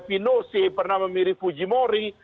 pinochet pernah memilih fujimori